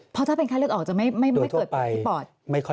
เพราะถ้าเป็นไข้เลือดออกจะไม่เกิดปอดที่ปอด